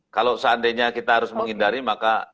kalau seandainya kita harus menghindari maka